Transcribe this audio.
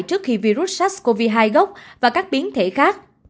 trước khi virus sars cov hai gốc và các biến thể khác